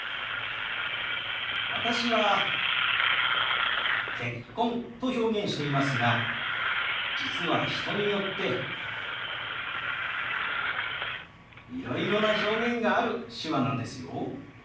私は「結婚」と表現していますが実は人によっていろいろな表現がある手話なんですよ。